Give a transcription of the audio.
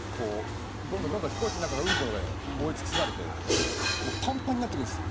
どんどんどんどん飛行機の中がうんこで覆い尽くされてもうパンパンになってくるんです。